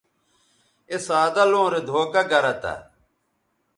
اے سادہ لوں رے دھوکہ گرہ تھہ